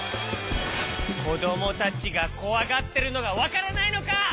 こどもたちがこわがってるのがわからないのか！？